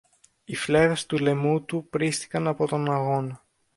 οι φλέβες του λαιμού του πρήστηκαν από τον αγώνα.